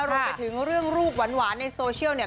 รวมไปถึงเรื่องรูปหวานในโซเชียลเนี่ย